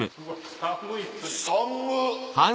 寒っ！